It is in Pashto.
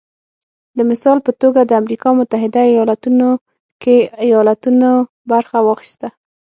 د مثال په توګه د امریکا متحده ایالتونو کې ایالتونو برخه واخیسته